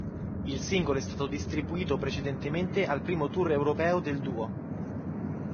Il singolo è stato distribuito precedentemente al primo tour europeo del duo.